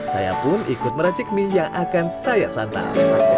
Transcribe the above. saya pun ikut meracik mie yang akan saya santap